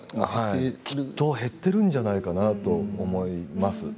きっと減っているんじゃないかなと思います。